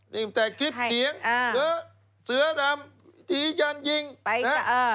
ตั้งแต่คลิปเสียงเสือดำทียันยิงนะครับ